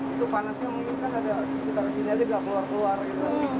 itu panasnya mungkin kan ada kita disini aja nggak keluar keluar gitu